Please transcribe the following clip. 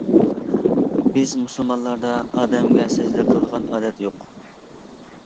بىز مۇسۇلمانلاردا ئادەمگە سەجدە قىلىدىغان ئادەت يوق.